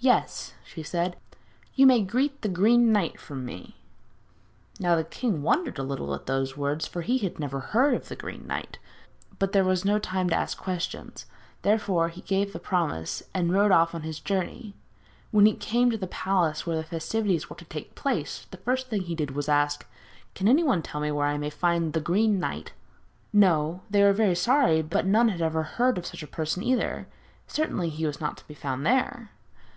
'Yes,' she said. 'You may greet the Green Knight from me.' Now the king wondered a little at these words, for he had never heard of the Green Knight; but there was no time to ask questions, therefore he gave the promise, and rode off on his journey. When he came to the palace where the festivities were to take place, the first thing he did was to ask: 'Can anyone tell me where I may find the Green Knight?' No, they were very sorry; but none had ever heard of such a person either certainly he was not to be found there.